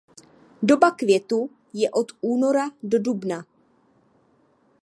Doba květu je od února do dubna.